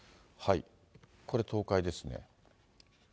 これ、東海ですね。